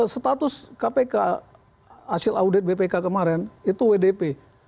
status kpk hasil audit bpk kemarin itu wdp